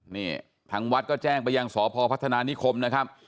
นี่ทางวัดก็แจ้งไปยังสพพัฒนานิคมนะครับ